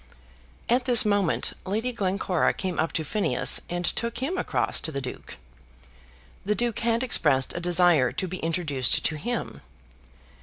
At this moment Lady Glencora came up to Phineas, and took him across to the Duke. The Duke had expressed a desire to be introduced to him.